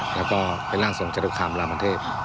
แล้วก็เป็นร่างทรงจริงข้ามราวประเทศ